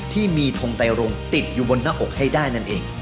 ที่มีทงไตรงติดอยู่บนหน้าอกให้ได้นั่นเอง